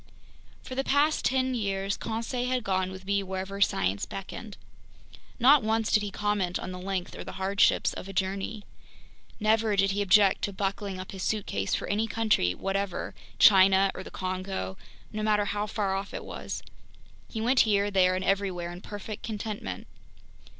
For the past ten years, Conseil had gone with me wherever science beckoned. Not once did he comment on the length or the hardships of a journey. Never did he object to buckling up his suitcase for any country whatever, China or the Congo, no matter how far off it was. He went here, there, and everywhere in perfect contentment.